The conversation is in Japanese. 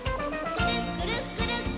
くるっくるくるっくる。